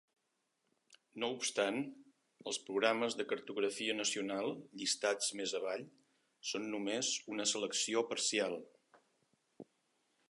No obstant, els programes de cartografia nacional llistats més avall són només una selecció parcial.